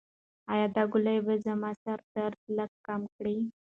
ایا دا ګولۍ به زما د سر درد لږ کم کړي؟